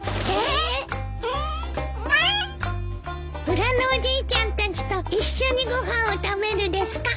裏のおじいちゃんたちと一緒にご飯を食べるですか？